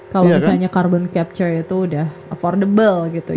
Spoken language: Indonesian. kalau misalnya carbon capture itu udah affordable gitu ya